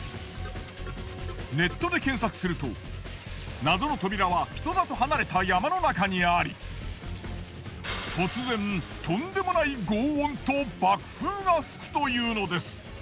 ネットで検索すると謎の扉は人里離れた山の中にあり突然とんでもない轟音と爆風が吹くというのです。